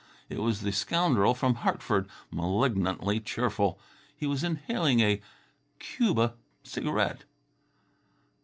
It was the scoundrel from Hartford, malignantly cheerful. He was inhaling a cubeb cigarette.